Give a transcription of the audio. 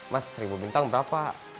mas seribu bintang berapa